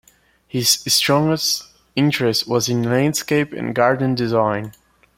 His strongest interest was in landscape and garden design.